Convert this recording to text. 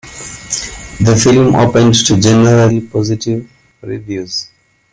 The film opened to generally positive reviews.